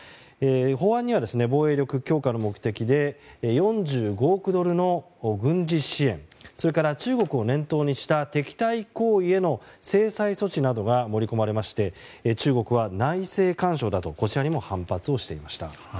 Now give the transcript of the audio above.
法案には、防衛力強化の目的で４５億ドルの軍事支援それから、中国を念頭にした敵対行為への制裁措置などが盛り込まれまして中国は内政干渉だとこちらにも反発していました。